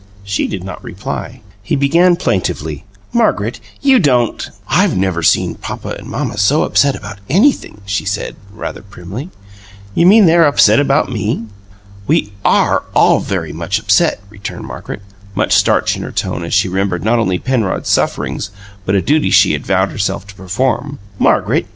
She did not reply. He began plaintively, "Margaret, you don't " "I've never seen papa and mamma so upset about anything," she said, rather primly. "You mean they're upset about ME?" "We ARE all very much upset," returned Margaret, more starch in her tone as she remembered not only Penrod's sufferings but a duty she had vowed herself to perform. "Margaret!